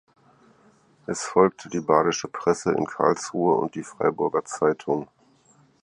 Es folgte die "Badische Presse" in Karlsruhe und die "Freiburger Zeitung".